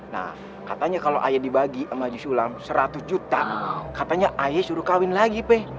nah katanya kalau ayah dibagi sama jusulam seratus juta katanya ayah suruh kawin lagi pe